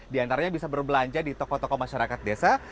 di antaranya bisa berbelanja di toko toko masyarakat desa